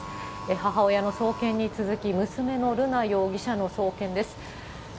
母親の送検に続き、娘の瑠奈容疑者の送検です。